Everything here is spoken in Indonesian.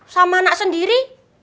sama anak sendiri